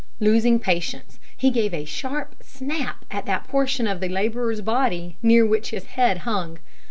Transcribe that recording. Losing patience, he gave a sharp snap at that portion of the labourer's body near which his head hung.